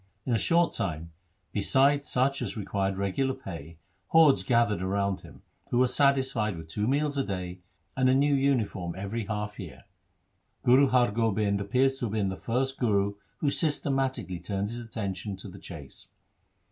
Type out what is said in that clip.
In a short time, besides such as required regular pay, hordes gathered round him, who were satisfied with two meals a day and a new uniform every half year. Guru Har Gobind appears to have been the first Guru who systematically turned his attention to the chase.